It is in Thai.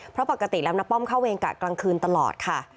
เพราะปกติแล้วน้าป้อมเข้าเวรกะกลางคืนตลอดค่ะ